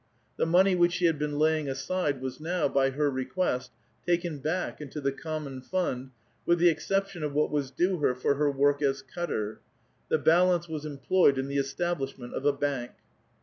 The money "which she had been laying aside was now, by her request, "l^iken back into the common fund, with the exception of "wliat was due her for her work as cutter ; the balance was C5im ployed in the establishment of a bank.